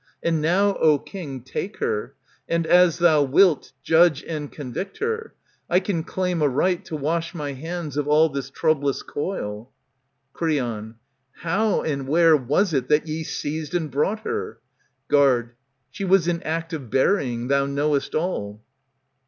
And now, O king, take her, and as thou wilt, Judge and convict her. I can claim a right To wash my hands of all this troublous coil. *^ Creon, How and where was it that ye seized and brought her ? Guard, She was in act of burying. Thou knowest all.